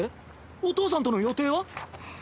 お父さんとの予定は？